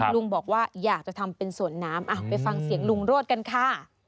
ลุงบอกว่าอยากจะทำเป็นสวนน้ำไปฟังเสียงลุงโรดกันค่ะ